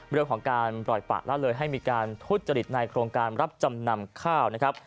เรื่องของการปล่อยปะละเลยให้มีการทุจริตในโครงการรับจำนำข้าวนะครับ